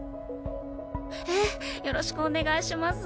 ええよろしくお願いします。